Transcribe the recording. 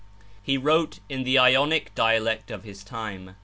He wrote in the Ionic dialect of his time.